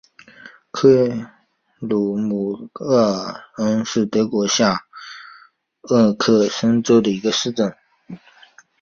克鲁姆赫尔恩是德国下萨克森州的一个市镇。